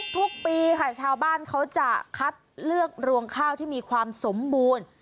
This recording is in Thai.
ทุกปีค่ะชาวบ้านเขาจะคัดเลือกรวงข้าวที่มีความสมบูรณ์